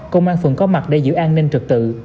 công an phường có mặt để giữ an ninh trực tự